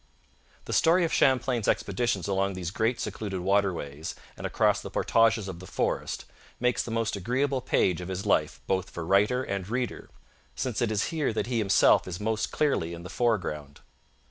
The story of Champlain's expeditions along these great secluded waterways, and across the portages of the forest, makes the most agreeable page of his life both for writer and reader, since it is here that he himself is most clearly in the foreground.